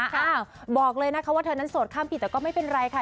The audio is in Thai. บอกเลยนะคะว่าเธอนั้นโสดข้ามปีแต่ก็ไม่เป็นไรค่ะ